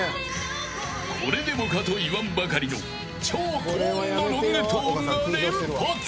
これでもかと言わんばかりの超高音のロングトーンが連発。